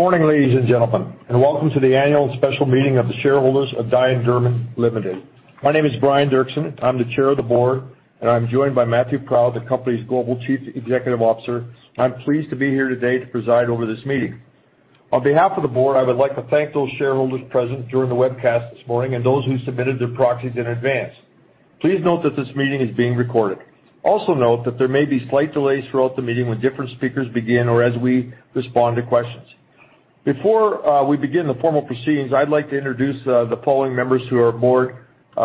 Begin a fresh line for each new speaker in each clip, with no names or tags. Morning, ladies and gentlemen. Welcome to the annual special meeting of the shareholders of Dye & Durham Limited. My name is Brian L. Derksen, I'm the Chair of the Board, and I'm joined by Matthew Proud, the company's Global Chief Executive Officer. I'm pleased to be here today to preside over this meeting. On behalf of the board, I would like to thank those shareholders present during the webcast this morning and those who submitted their proxies in advance. Please note that this meeting is being recorded. Note that there may be slight delays throughout the meeting when different speakers begin or as we respond to questions. Before we begin the formal proceedings, I'd like to introduce the following members of our Board, who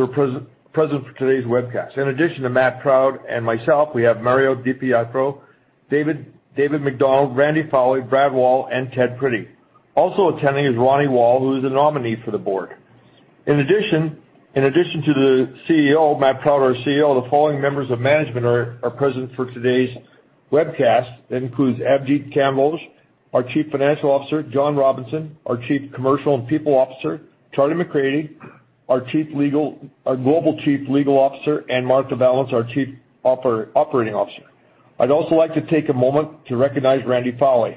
are present for today's webcast. In addition to Matt Proud and myself, we have Mario Di Pietro, David MacDonald, Randy Foley, Brad Wall, and Ted Prittie. Also attending is Ronnie Wahi, who is a nominee for the Board. In addition to the CEO, Matt Proud, the following members of management are present for today's webcast. That includes Avjit Kamboj, our Chief Financial Officer, John Robinson, our Chief Commercial and People Officer, Charlie MacCready, our Global Chief Legal Officer, and Martha Vallance, our Chief Operating Officer. I'd also like to take a moment to recognize Randy Foley.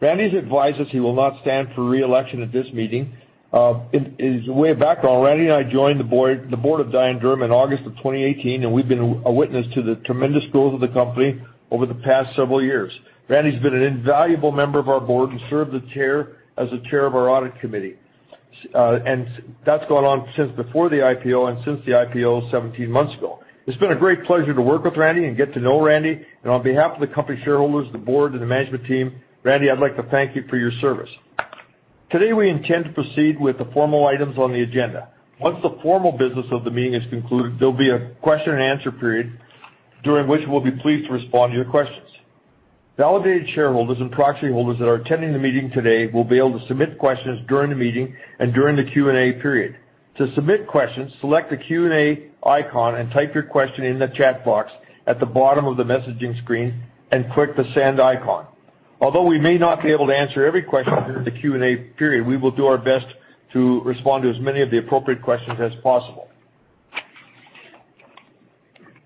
Randy's advised us he will not stand for re-election at this meeting. As a way of background, Randy and I joined the Board, the Board of Dye & Durham in August of 2018, and we've been a witness to the tremendous growth of the company over the past several years. Randy's been an invaluable member of our Board and served the chair as the Chair of our Audit Committee. That's gone on since before the IPO and since the IPO 17 months ago. It's been a great pleasure to work with Randy and get to know Randy. On behalf of the company shareholders, the Board and the management team, Randy, I'd like to thank you for your service. Today, we intend to proceed with the formal items on the agenda. Once the formal business of the meeting is concluded, there'll be a question and answer period during which we'll be pleased to respond to your questions. Validated shareholders and proxy holders that are attending the meeting today will be able to submit questions during the meeting and during the Q and A period. To submit questions, select the Q and A icon and type your question in the chat box at the bottom of the messaging screen and click the Send icon. Although we may not be able to answer every question during the Q and A period, we will do our best to respond to as many of the appropriate questions as possible.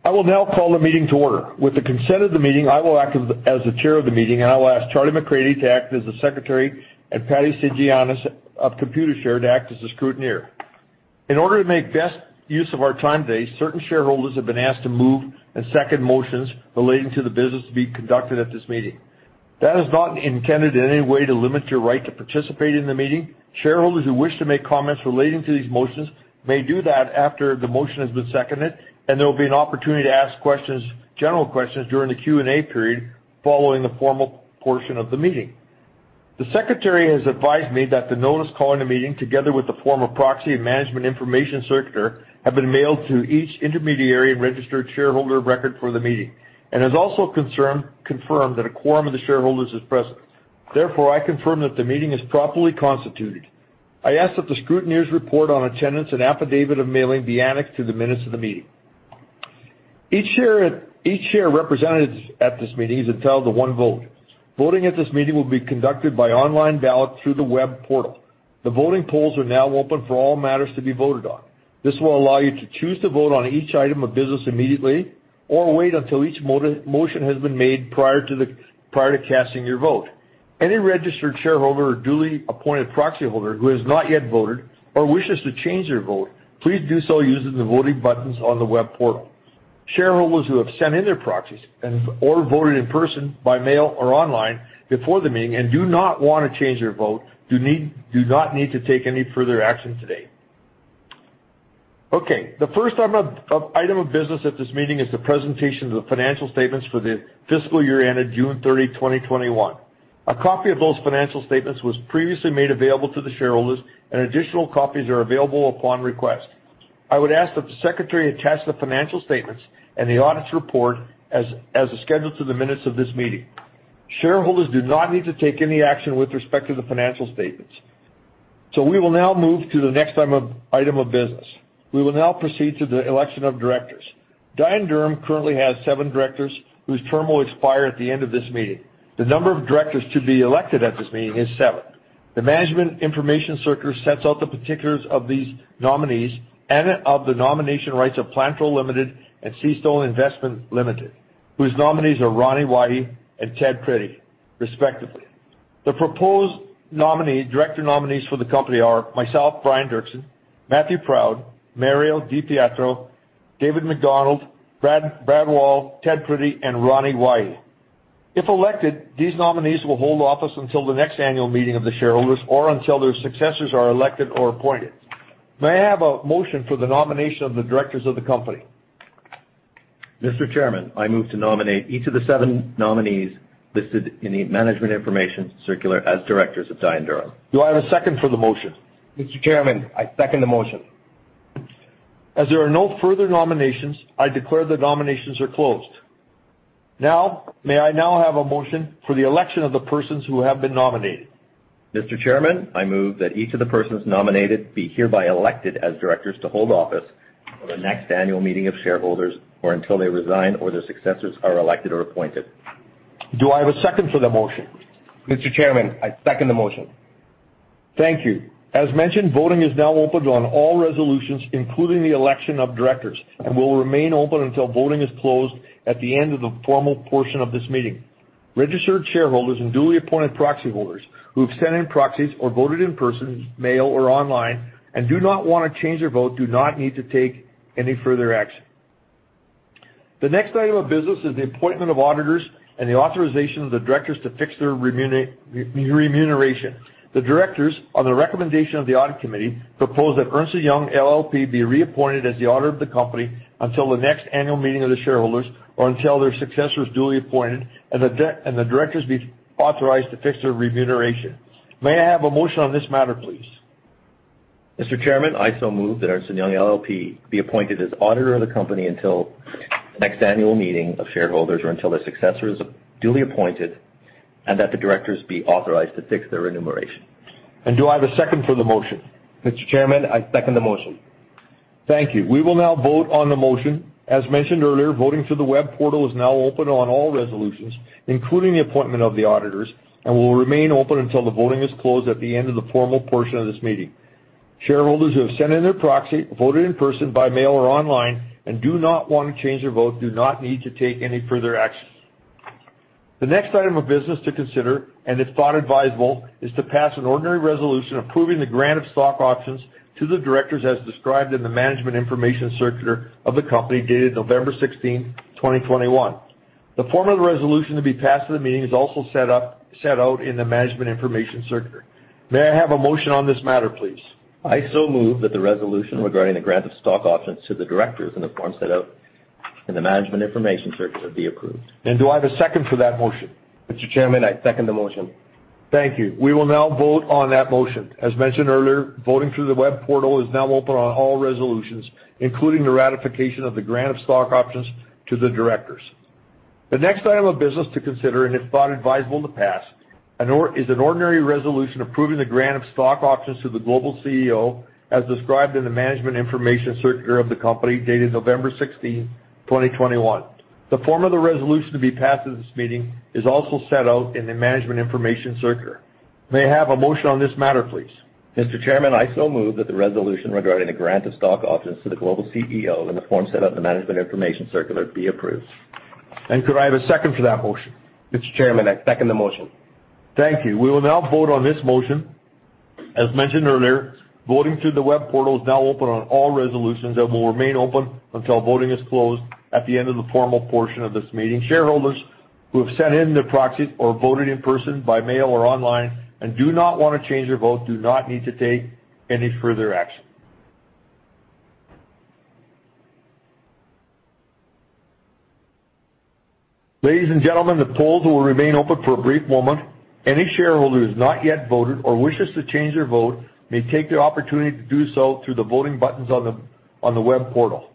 I will now call the meeting to order. With the consent of the meeting, I will act as the Chair of the meeting, and I will ask Charlie MacCready to act as the Secretary and Patty Tsianis of Computershare to act as the Scrutineer. In order to make best use of our time today, certain shareholders have been asked to move and second motions relating to the business to be conducted at this meeting. That is not intended in any way to limit your right to participate in the meeting. Shareholders who wish to make comments relating to these motions may do that after the motion has been seconded, and there will be an opportunity to ask questions, general questions during the Q and A period following the formal portion of the meeting. The secretary has advised me that the notice calling the meeting, together with the form of proxy and Management Information Circular, have been mailed to each intermediary and registered shareholder of record for the meeting and has also confirmed that a quorum of the shareholders is present. Therefore, I confirm that the meeting is properly constituted. I ask that the scrutineers report on attendance and affidavit of mailing be annexed to the minutes of the meeting. Each share represented at this meeting is entitled to one vote. Voting at this meeting will be conducted by online ballot through the web portal. The voting polls are now open for all matters to be voted on. This will allow you to choose to vote on each item of business immediately or wait until each motion has been made prior to casting your vote. Any registered shareholder or duly appointed proxy holder who has not yet voted or wishes to change their vote, please do so using the voting buttons on the web portal. Shareholders who have sent in their proxies and/or voted in person, by mail or online before the meeting and do not wanna change their vote, do not need to take any further action today. Okay. The first item of business at this meeting is the presentation of the financial statements for the fiscal year ended June 30, 2021. A copy of those financial statements was previously made available to the shareholders, and additional copies are available upon request. I would ask that the secretary attach the financial statements and the auditor's report as a schedule to the minutes of this meeting. Shareholders do not need to take any action with respect to the financial statements. We will now move to the next item of business. We will now proceed to the election of directors. Dye & Durham currently has seven directors whose term will expire at the end of this meeting. The number of directors to be elected at this meeting is seven. The Management Information Circular sets out the particulars of these nominees and of the nomination rights of Plantro Ltd. and Seastone Invest Limited, whose nominees are Ronnie Wahi and Ted Prittie, respectively. The proposed director nominees for the company are myself, Brian L. Derksen, Matthew Proud, Mario Di Pietro, David MacDonald, Brad Wall, Ted Prittie, and Ronnie Wahi. If elected, these nominees will hold office until the next annual meeting of the shareholders or until their successors are elected or appointed. May I have a motion for the nomination of the directors of the company?
Mr. Chairman, I move to nominate each of the seven nominees listed in the Management Information Circular as directors of Dye & Durham.
Do I have a second for the motion?
Mr. Chairman, I second the motion.
As there are no further nominations, I declare the nominations are closed. May I now have a motion for the election of the persons who have been nominated?
Mr. Chairman, I move that each of the persons nominated be hereby elected as directors to hold office for the next annual meeting of shareholders or until they resign or their successors are elected or appointed.
Do I have a second for the motion?
Mr. Chairman, I second the motion.
Thank you. As mentioned, voting is now open on all resolutions, including the election of directors, and will remain open until voting is closed at the end of the formal portion of this meeting. Registered shareholders and duly appointed proxy holders who have sent in proxies or voted in person, mail or online and do not wanna change their vote, do not need to take any further action. The next item of business is the appointment of auditors and the authorization of the directors to fix their remuneration. The directors, on the recommendation of the audit committee, propose that Ernst & Young LLP be reappointed as the auditor of the company until the next annual meeting of the shareholders or until their successor is duly appointed and the directors be authorized to fix their remuneration. May I have a motion on this matter, please?
Mr. Chairman, I so move that Ernst & Young LLP be appointed as auditor of the company until the next annual meeting of shareholders or until their successor is duly appointed and that the directors be authorized to fix their remuneration.
Do I have a second for the motion?
Mr. Chairman, I second the motion.
Thank you. We will now vote on the motion. As mentioned earlier, voting through the web portal is now open on all resolutions, including the appointment of the auditors, and will remain open until the voting is closed at the end of the formal portion of this meeting. Shareholders who have sent in their proxy, voted in person, by mail or online and do not want to change their vote, do not need to take any further action. The next item of business to consider, and it's thought advisable, is to pass an ordinary resolution approving the grant of stock options to the directors as described in the Management Information Circular of the company dated November 16, 2021. The form of the resolution to be passed at the meeting is also set out in the Management Information Circular. May I have a motion on this matter, please?
I so move that the resolution regarding the grant of stock options to the directors in the form set out in the Management Information Circular be approved.
Do I have a second for that motion?
Mr. Chairman, I second the motion.
Thank you. We will now vote on that motion. As mentioned earlier, voting through the web portal is now open on all resolutions, including the ratification of the grant of stock options to the directors. The next item of business to consider, and if thought advisable to pass, is an ordinary resolution approving the grant of stock options to the global CEO as described in the Management Information Circular of the company dated November 16th, 2021. The form of the resolution to be passed at this meeting is also set out in the Management Information Circular. May I have a motion on this matter, please?
Mr. Chairman, I so move that the resolution regarding the grant of stock options to the global CEO in the form set out in the Management Information Circular be approved.
Could I have a second for that motion?
Mr. Chairman, I second the motion.
Thank you. We will now vote on this motion. As mentioned earlier, voting through the web portal is now open on all resolutions and will remain open until voting is closed at the end of the formal portion of this meeting. Shareholders who have sent in their proxies or voted in person, by mail or online and do not wanna change their vote, do not need to take any further action. Ladies and gentlemen, the polls will remain open for a brief moment. Any shareholder who has not yet voted or wishes to change their vote may take the opportunity to do so through the voting buttons on the web portal.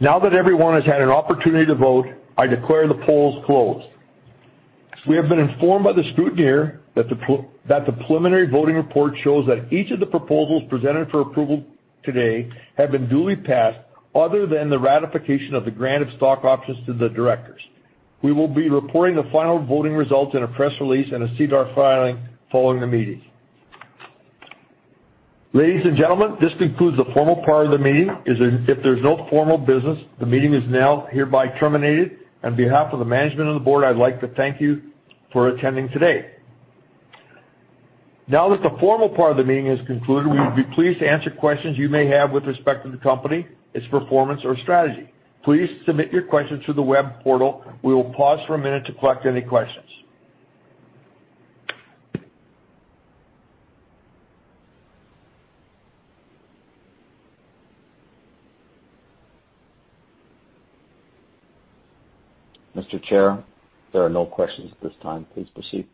Now that everyone has had an opportunity to vote, I declare the polls closed. We have been informed by the scrutineer that the preliminary voting report shows that each of the proposals presented for approval today have been duly passed other than the ratification of the grant of stock options to the directors. We will be reporting the final voting results in a press release and a SEDAR filing following the meeting. Ladies and gentlemen, this concludes the formal part of the meeting. If there's no formal business, the meeting is now hereby terminated. On behalf of the management and the board, I'd like to thank you for attending today. Now that the formal part of the meeting is concluded, we'd be pleased to answer questions you may have with respect to the company, its performance or strategy. Please submit your questions through the web portal. We will pause for a minute to collect any questions.
Mr. Chair, there are no questions at this time. Please proceed.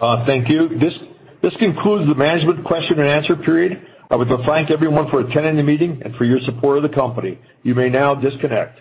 Thank you. This concludes the management question and answer period. I would like to thank everyone for attending the meeting and for your support of the company. You may now disconnect.